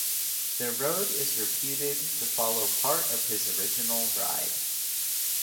The road is reputed to follow part of his original ride.